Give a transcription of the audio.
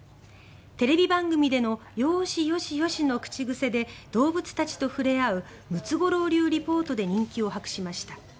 テレビ番組でのよーし、よしよしの口癖で動物たちと触れ合うムツゴロウ流リポートで人気を博しました。